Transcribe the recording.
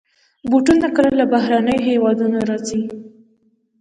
بوټونه کله له بهرنيو هېوادونو راځي.